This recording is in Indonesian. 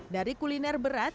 dari kuliner berat